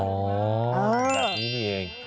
แบบนี้นี่เอง